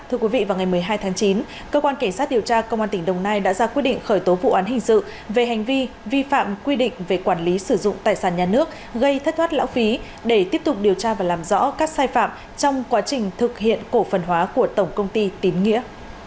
thưa quý vị vào ngày một mươi hai tháng chín cơ quan cảnh sát điều tra công an tỉnh đồng nai đã ra quyết định khởi tố vụ án hình sự về hành vi vi phạm quy định về quản lý sử dụng tài sản nhà nước gây thất thoát lão phí để tiếp tục điều tra và làm rõ các sai phạm trong quá trình thực hiện cổ phần hóa của tổng công ty tín nghĩa